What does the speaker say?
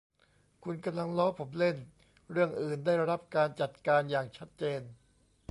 คุณกำลังล้อผมเล่น เรื่องอื่นได้รับการจัดการอย่างชัดเจน